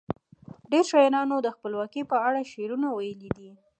ډیرو شاعرانو د خپلواکۍ په اړه شعرونه ویلي دي.